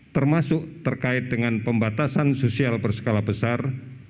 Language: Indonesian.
termasuk terkait dengan pembatasan sosial berskala besar